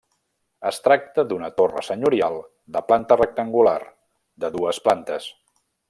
Es tracta d'una torre senyorial de planta rectangular, de dues plantes.